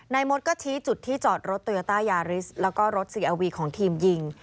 นายมดก็ชี้จุดที่จอดรถตัวยาต้ายาริสและรถซีเออวีของทีมยิง